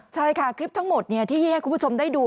ใช่ค่ะคลิปทั้งหมดที่ให้คุณผู้ชมได้ดู